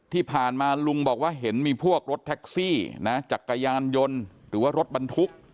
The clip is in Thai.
ที่ผ่านมาลุงบอกว่าเห็นมีพวกรถแท็กซี่นะจักรยานยนต์หรือว่ารถบรรทุก